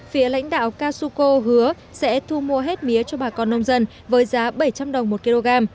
phía lãnh đạo casuco hứa sẽ thu mua hết mía cho bà con nông dân với giá bảy trăm linh đồng một kg